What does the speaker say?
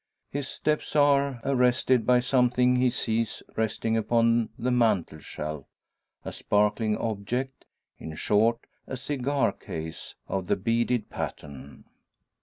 His steps are arrested by something he sees resting upon the mantelshelf; a sparkling object in short a cigar case of the beaded pattern.